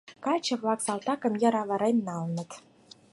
Каче-влак салтакым йыр авырен налыт.